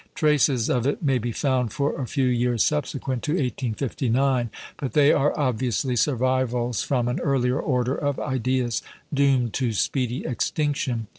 Traces of it may be found for a few years subsequent to 1859, but they are obviously survivals from an earlier order of ideas, doomed to speedy extinction.